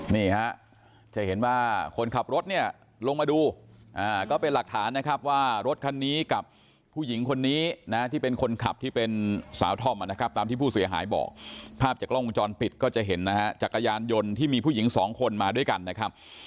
นี่ฮะจะเห็นว่าคนขับรถเนี่ยลงมาดูก็เป็นหลักฐานนะครับว่ารถคันนี้กับผู้หญิงคนนี้นะที่เป็นคนขับที่เป็นสาวธอมนะครับตามที่ผู้เสียหายบอกภาพจากกล้องวงจรปิดก็จะเห็นนะฮะจักรยานยนต์ที่มีผู้หญิงสองคนมาด้วยกันนะครับ